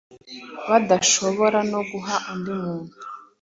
badashobora no guha undi muntu.